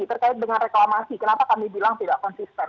terkait dengan reklamasi kenapa kami bilang tidak konsisten